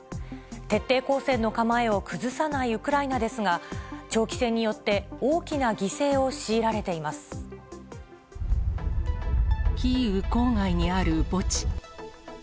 徹底抗戦の構えを崩さないウクライナですが、長期戦によって大きキーウ郊外にある墓地。